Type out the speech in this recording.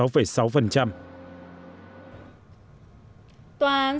tòa án sơ thông